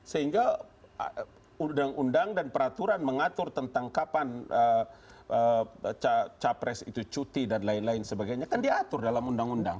sehingga undang undang dan peraturan mengatur tentang kapan capres itu cuti dan lain lain sebagainya kan diatur dalam undang undang